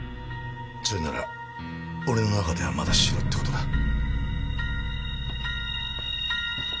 それなら俺の中ではまだシロって事だ。